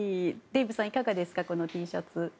デーブさん、いかがですかこのＴシャツ。